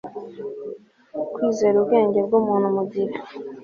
kwizera ubwenge bwumuntu mugihe